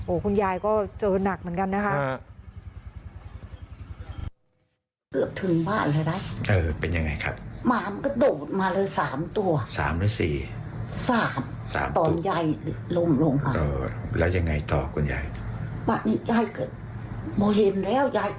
คุณยายก็เจอหนักเหมือนกันนะคะ